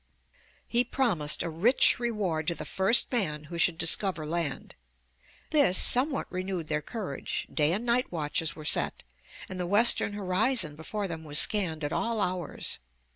He promised a rich reward to the first man who should discover land. This somewhat renewed their courage; day and night watches were set and the western horizon before them was scanned at .all hours.